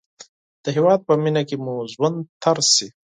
د هېواد په مینه کې مو ژوند تېر شي.